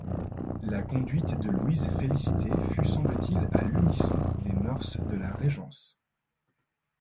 La conduite de Louise Félicité fut semble-t-il à l'unisson des mœurs de la Régence.